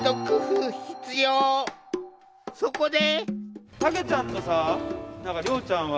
そこで。